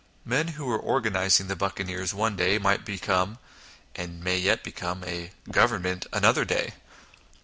Men who were organising the buccaneers one day, might become (and may yet become) a " Govern ment " another day.